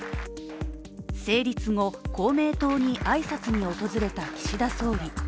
成立後、公明党に挨拶に訪れた岸田総理。